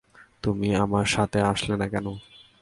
তুমি আমার সাথে আসলে না কেন?